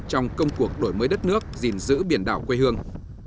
trong công cuộc đổi mới đất nước gìn giữ biển đảo quê hương